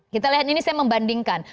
kita lihat ini saya membandingkan